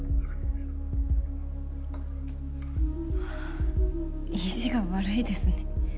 はぁ意地が悪いですね。